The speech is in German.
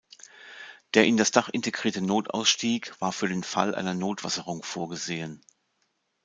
Der in das Dach integrierte Notausstieg war für den Fall einer Notwasserung vorgesehen.